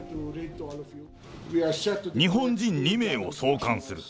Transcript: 日本人２名を送還する。